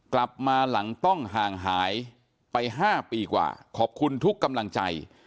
กลับมาหลังต้องห่างหายไป๕ปีกว่าขอบคุณทุกกำลังใจ